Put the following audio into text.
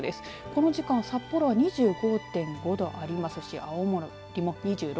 この時間札幌は２５．５度ありますし青森も２６．１度。